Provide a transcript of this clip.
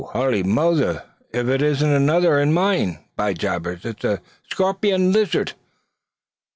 holy mother! if here isn't another in moine! By jabers! it's a scorpion lizard!